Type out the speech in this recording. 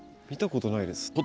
見たことないです。